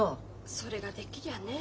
それができりゃねえ。